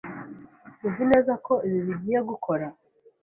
Uzi neza ko ibi bigiye gukora?